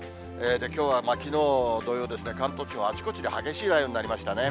きょうはきのう同様で、関東地方はあちこちで激しい雷雨になりましたね。